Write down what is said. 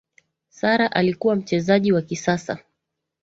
Sarah alikuwa mchezaji wa kisasa